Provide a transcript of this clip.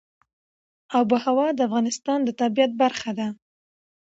آب وهوا د افغانستان د طبیعت برخه ده.